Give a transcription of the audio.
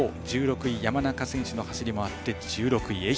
山中選手の走りもあって１６位、愛媛。